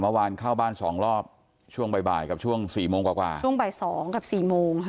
เมื่อวานเข้าบ้านสองรอบช่วงบ่ายบ่ายกับช่วงสี่โมงกว่ากว่าช่วงบ่ายสองกับสี่โมงค่ะ